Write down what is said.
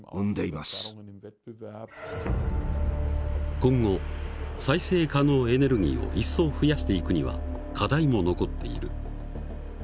今後再生可能エネルギーを一層増やしていくには課題も残っている。